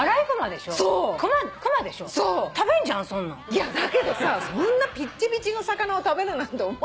いやだけどさそんなピッチピチの魚を食べるなんて思わない。